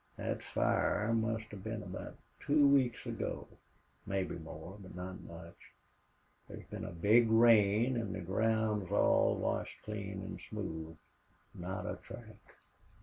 Thet fire must hev been about two weeks ago. Mebbe more, but not much. There's been a big rain an' the ground's all washed clean an' smooth ... Not a track!"